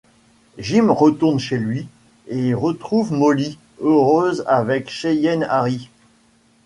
Jim retourne chez lui et y retrouve Molly heureuse avec Cheyenne Harry.